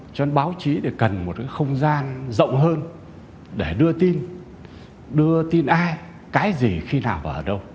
cho nên báo chí cần một không gian rộng hơn để đưa tin đưa tin ai cái gì khi nào và ở đâu